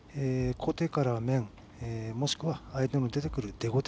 小手から面もしくは相手の出てくる出小手